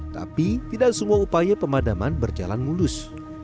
tapi tidak semua upaya pemadaman berjalan mulus